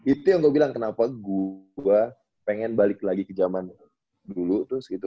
itu yang gue bilang kenapa gue pengen balik lagi ke zaman dulu terus gitu